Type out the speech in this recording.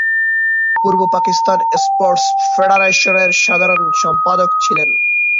পূর্ব Pakistan sports ফেডারেশনের সাধারণ সম্পাদক ছিলেন।